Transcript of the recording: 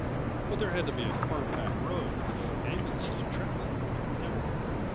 But there had to be a firm packed road for the ambulances to travel over, didn't there?